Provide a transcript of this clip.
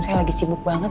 saya lagi sibuk banget